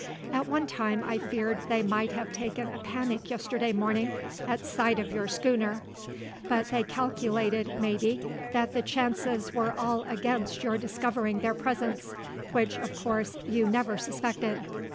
At one time I feared they might have taken a panic yesterday morning at sight of your schooner; but they calculated, maybe, that the chances were all against your discovering their presence, which, of course, you never suspected."